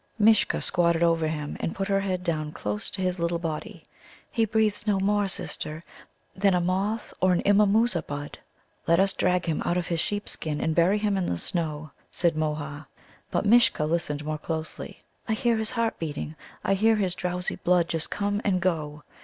Mishcha squatted over him, and put her head down close to his little body. "He breathes no more, sister, than a moth or an Immamoosa bud." "Let us drag him out of his sheep skin, and bury him in the snow," said Môha. But Mishcha listened more closely still. "I hear his heart beating; I hear his drowsy blood just come and go.